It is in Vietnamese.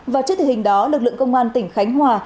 và trước tình hình đó lực lượng công an tỉnh khánh hòa